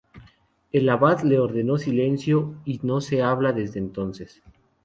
El Abad le ordenó silencio y no habla desde entonces.